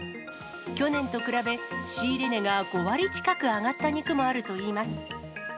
去年と比べ、仕入れ値が５割近く上がった肉もあるといいます。